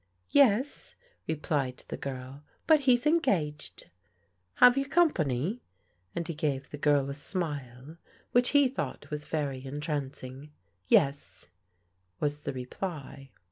" Yes," replied the girl, " but he's engaged." " Have you company?" and he gave the girl a snule which he thought was very entrancing. Yes," was the reply.